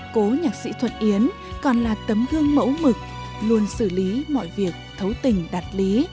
cố nhạc sĩ thuận yến còn là tấm gương mẫu mực luôn xử lý mọi việc thấu tình đạt lý